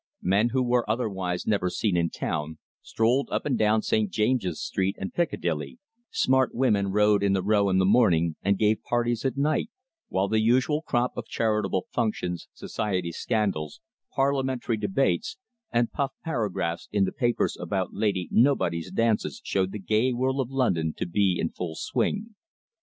Men who were otherwise never seen in town, strolled up and down St. James's Street and Piccadilly, smart women rode in the Row in the morning and gave parties at night, while the usual crop of charitable functions, society scandals, Parliamentary debates, and puff paragraphs in the papers about Lady Nobody's dances showed the gay world of London to be in full swing.